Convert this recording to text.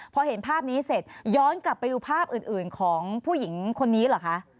พอเห็นภาพนี้เสร็จย้อนกลับไปดูภาพอื่นของผู้หญิงคนนี้เหรอคะ